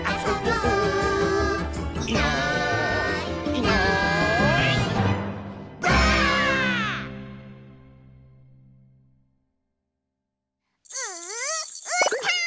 ううーたん。